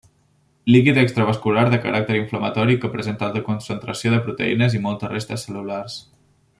Líquid extravascular de caràcter inflamatori que presenta alta concentració de proteïnes i moltes restes cel·lulars.